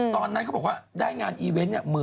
ตอนนั้นเขาบอกว่าได้งานอีเวนต์